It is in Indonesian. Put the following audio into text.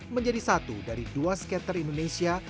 menjadi satu dari dua skater indonesia